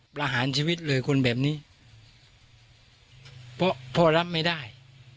ประหารชีวิตเลยคนแบบนี้เพราะพ่อรับไม่ได้